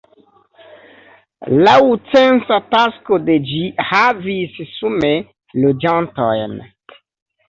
Laŭ censa takso de ĝi havis sume loĝantojn.